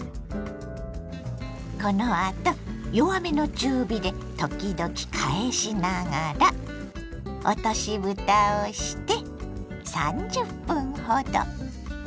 このあと弱めの中火で時々返しながら落としぶたをして３０分ほど。